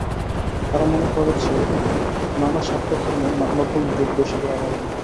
তারা মনে করছে, নানা স্বার্থের কারণে নতুন জোট বেশি দূর আগাবে না।